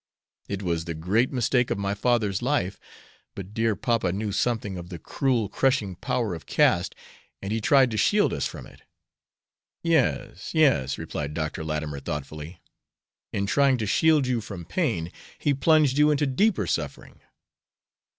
"It was the great mistake of my father's life, but dear papa knew something of the cruel, crushing power of caste; and he tried to shield us from it." "Yes, yes," replied Dr. Latimer, thoughtfully, "in trying to shield you from pain he plunged you into deeper suffering."